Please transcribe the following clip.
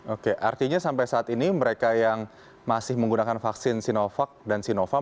oke artinya sampai saat ini mereka yang masih menggunakan vaksin sinovac dan sinovac